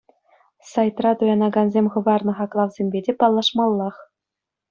Сайтра туянакансем хӑварнӑ хаклавсемпе те паллашмаллах.